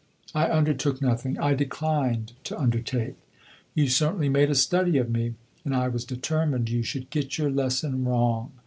"I undertook nothing I declined to undertake." "You certainly made a study of me and I was determined you should get your lesson wrong.